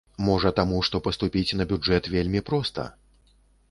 Можа таму, што паступіць на бюджэт вельмі проста?